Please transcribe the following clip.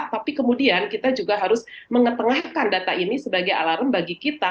tapi kemudian kita juga harus mengetengahkan data ini sebagai alarm bagi kita